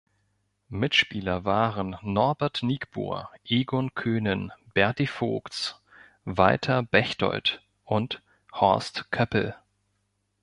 Mitspieler waren Norbert Nigbur, Egon Köhnen, Berti Vogts, Walter Bechtold und Horst Köppel.